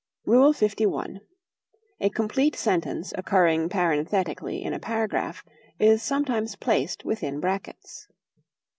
LI. A complete sentence occurring parenthetically in a paragraph is sometimes placed within brackets.